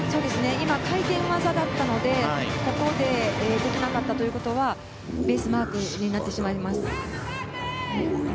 今、回転技だったのでここでできなかったということはベースマークになってしまいます。